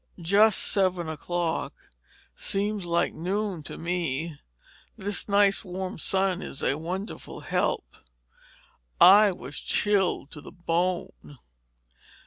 "Just seven o'clock. Seems like noon to me. This nice warm sun is a wonderful help—I was chilled to the bone."